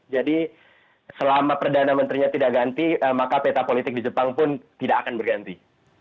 jadi selama perdana menterinya tidak ganti maka peta politik di jepang pun tidak akan berganti